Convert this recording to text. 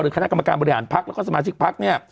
หรือคณะกรรมการบริหารพรรคและสมาชิกพรรค